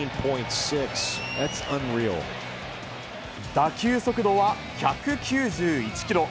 打球速度は１９１キロ。